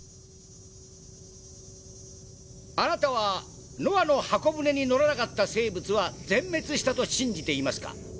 あなたはノアの方舟に乗らなかった生物は全滅したと信じていますか？